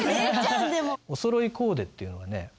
お揃いコーデっていうのがね